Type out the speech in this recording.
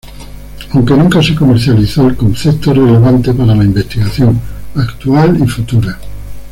Aunque nunca se comercializó, el concepto es relevante para la investigación actual y futura.